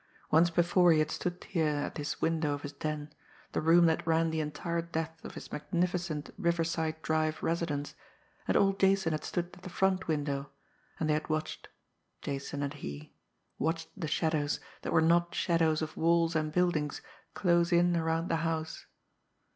Once before he had stood here at this window of his den, the room that ran the entire depth of his magnificent Riverside Drive residence, and old Jason had stood at the front window and they had watched, Jason and he watched the shadows, that were not shadows of walls and buildings, close in around the house.